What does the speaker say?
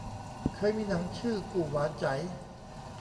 เคยมีหนังชื่อกู่หว่าไจ๋